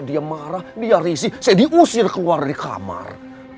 dia marah dia risih saya diusir keluar di kamar